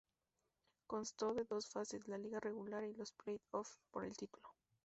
Constó de dos fases: la liga regular y los Play Offs por el título.